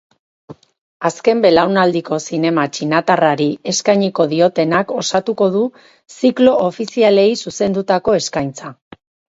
Azken belaunaldiko zinema txinatarrari eskainiko diotenak osatuko du ziklo ofizialei zuzendutako eskaintza.